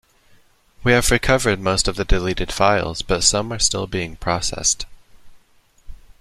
We have recovered most of the deleted files, but some are still being processed.